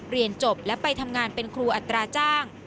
เรียนจบและไปทำงานเป็นครูอัตราจ้าง